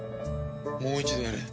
もう一度やれ。